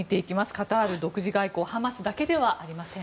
カタール独自外交ハマスだけではありません。